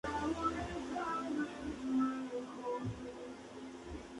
Estas premisas son como debe ser planeado y promocionado.